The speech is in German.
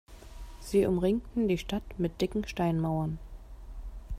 Sie umringten die Stadt mit dicken Steinmauern.